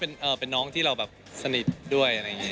เป็นน้องที่เราแบบสนิทด้วย